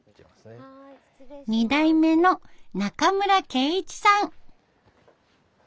２代目の中村圭一さん。